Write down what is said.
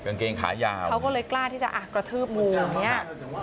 กางเกงขายาวเขาก็เลยกล้าที่จะอ่ะกระทืบงูอย่างนี้